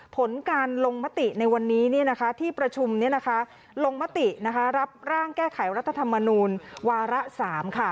ผลการลงมติในวันนี้ที่ประชุมลงมติรับร่างแก้ไขรัฐธรรมนูลวาระ๓ค่ะ